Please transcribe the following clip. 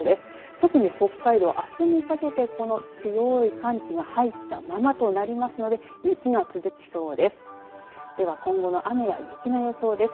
特に北海道、あすにかけてこの強い寒気が入ったままとなりますので雪が続きそうです。